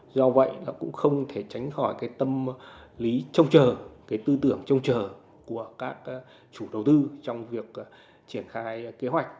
do vậy cũng không thể tránh khỏi tâm lý trông chờ tư tưởng trông chờ của các chủ đầu tư trong việc triển khai kế hoạch